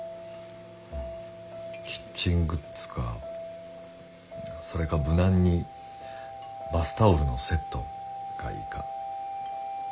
キッチングッズかそれか無難にバスタオルのセットがいいか。